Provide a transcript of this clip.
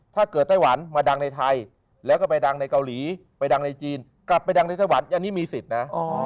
ไต้หวันมาดังในไทยแล้วก็ไปดังในเกาหลีไปดังในจีนกลับไปดังในไต้หวันอันนี้มีสิทธิ์นะ